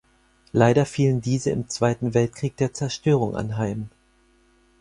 Leider fielen diese im Zweiten Weltkrieg der Zerstörung anheim.